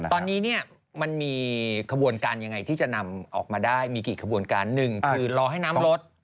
ตอนนี้มันมีขบวนการยังไงที่จะหนำออกมาได้คือนึงคือรอให้น้ำลด